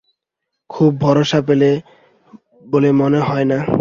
খুব ভরসা পেল বলে মনে হল না।